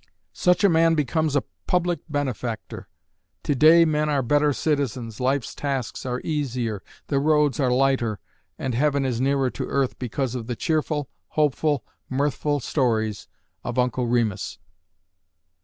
Such a man becomes a public benefactor. To day men are better citizens, life's tasks are easier, the roads are lighter, and heaven is nearer to earth because of the cheerful, hopeful, mirthful stories of Uncle Remus.